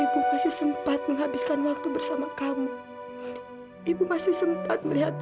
ibu pasti sempat menghabiskan waktu bersama kamu ibu masih sempat melihat